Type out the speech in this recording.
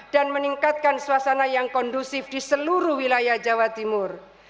dan meningkatkan suasana yang kondusif di seluruh wilayah jawa timur